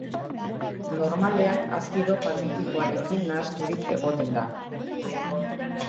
Normalean azido palmitikoarekin nahasturik egoten da.